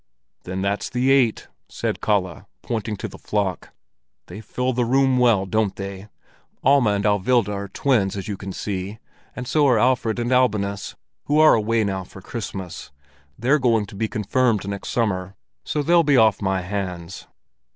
"Then that's the eight," said Kalle, pointing to the flock. "They fill the room well, don't they? Alma and Alvilda are twins, as you can see. And so are Alfred and Albinus, who are away now for Christmas. They're going to be confirmed next summer, so they'll be off my hands."